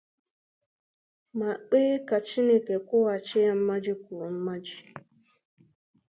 ma kpee ka Chineke kwụghachi ya mmaji kwuru mmaji.